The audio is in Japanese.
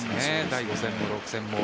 第５戦も６戦も。